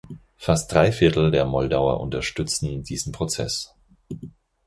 Fasst drei Viertel der Moldauer unterstützen diesen Prozess.